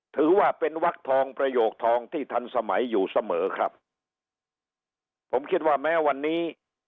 ถือว่าเป็นวักทองประโยคทองที่ทันสมัยอยู่เสมอครับผมคิดว่าแม้วันนี้